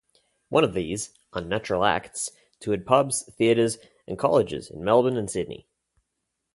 One of these, "Unnatural Acts", toured pubs, theatres and colleges in Melbourne and Sydney.